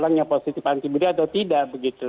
orang yang positif antibody atau tidak begitu